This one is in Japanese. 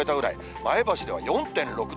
前橋では４．６度。